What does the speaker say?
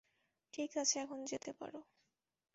ঠিক আছে, এখন যেতে পারো।